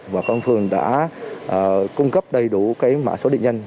và công an phường đã cung cấp đầy đủ cái mã số định danh